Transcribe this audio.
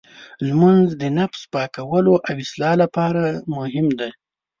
لمونځ د نفس پاکولو او اصلاح لپاره مهم دی.